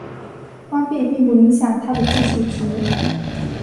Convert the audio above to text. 关闭并不影响它的计数值。